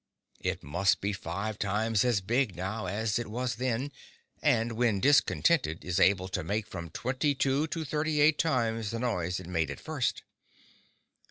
It must be five times as big, now, as it was then, and when discontented is able to make from twenty two to thirty eight times the noise it made at first.